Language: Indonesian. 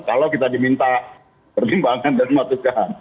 kalau kita diminta pertimbangan dan memutuskan